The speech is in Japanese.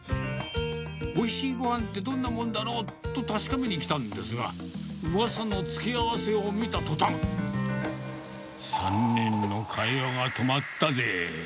おいしいごはんってどんなもんだろうと確かめに来たんですが、うわさの付け合わせを見たとたん、３人の会話が止まったぜ。